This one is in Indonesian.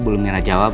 bisa dikasih tau gak